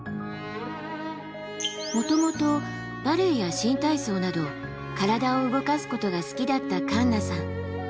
もともとバレエや新体操など体を動かすことが好きだったカンナさん。